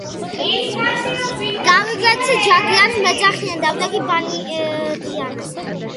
გავიქეცი ქაჯიანს მეძახიან, დავდგები - ბანდიანსა